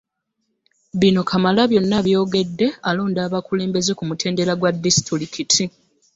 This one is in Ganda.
Bino Kamalabyonna abyogedde alonda abakulembeze ku mutendera gwa disitulikiti